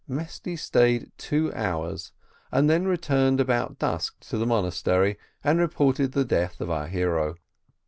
Mesty stayed two hours, and then returned about dusk to the monastery, and reported the death of our hero.